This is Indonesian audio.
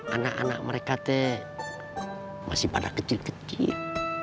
anak anak mereka teh masih pada kecil kecil